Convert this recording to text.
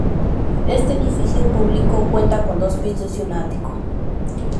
Este edificio público cuenta con dos pisos y un ático.